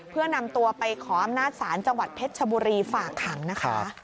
เพื่อนำตัวไปขออำนาจศาลจังหวัดเพชรชบุรีฝากขังนะคะ